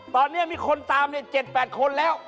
ตอนนี้มีคนตาม๗๘คนแล้ว